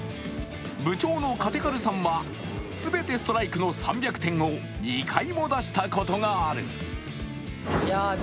部長の嘉手苅さんは全てストライクの３００点を２回も出したことがある。